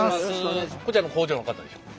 こちらの工場の方でしょうか？